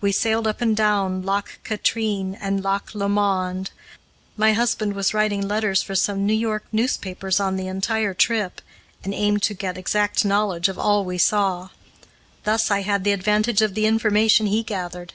We sailed up and down Loch Katrine and Loch Lomond. My husband was writing letters for some New York newspapers on the entire trip, and aimed to get exact knowledge of all we saw; thus I had the advantage of the information he gathered.